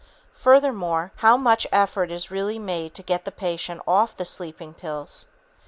Furthermore, how much effort is really made to get the patient off the sleeping pills?